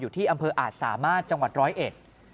ที่อำเภออาจสามารถจังหวัดร้อยเอ็ด